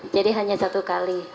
jadi hanya satu kali